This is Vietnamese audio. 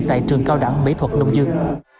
tại trường cao đẳng mỹ thuật đông dương